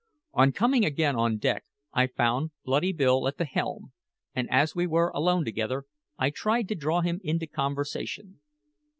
On coming again on deck I found Bloody Bill at the helm, and as we were alone together, I tried to draw him into conversation.